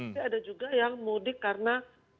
tapi ada juga yang mudik karena